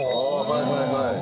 はいはいはい。